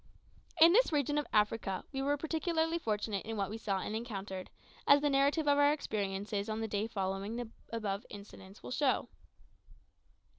In this region of Africa we were particularly fortunate in what we saw and encountered, as the narrative of our experiences on the day following the above incidents will show.